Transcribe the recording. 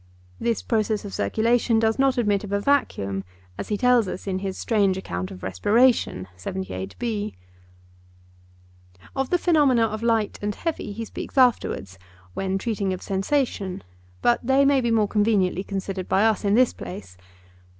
This process of circulation does not admit of a vacuum, as he tells us in his strange account of respiration. Of the phenomena of light and heavy he speaks afterwards, when treating of sensation, but they may be more conveniently considered by us in this place.